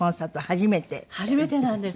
初めてなんです。